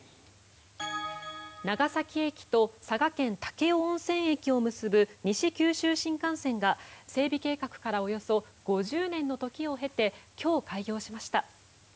長崎駅と佐賀県・武雄温泉駅を結ぶ西九州新幹線が整備計画からおよそ５０年の時を経て今日、開業しました。